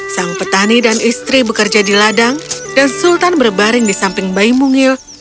sang petani dan istri bekerja di ladang dan sultan berbaring di samping bayi mungil